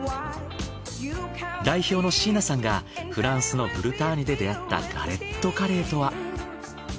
代表の椎名さんがフランスのブルターニュで出会ったガレットカレーとは？